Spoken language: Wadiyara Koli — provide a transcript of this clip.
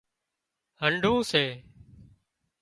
هنڍُون سي